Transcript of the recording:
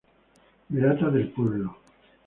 Beata del pueblo.